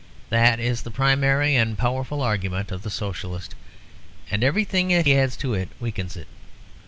That is the primary and powerful argument of the Socialist, and everything that he adds to it weakens it.